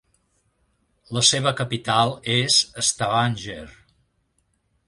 La seva capital és Stavanger.